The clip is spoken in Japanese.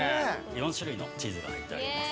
４種類のチーズが入っております。